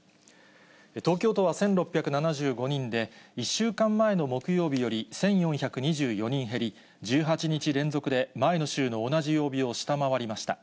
東京都は１６７５人で、１週間前の木曜日より１４２４人減り、１８日連続で前の週の同じ曜日を下回りました。